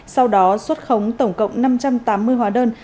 sau đó xuất khống tổng cộng năm trăm tám mươi hóa đơn